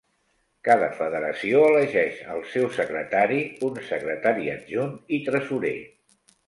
Cada Federació elegeix al seu secretari, un secretari adjunt i tresorer.